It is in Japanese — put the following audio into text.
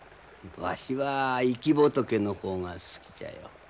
わしは生き仏の方が好きじゃよ。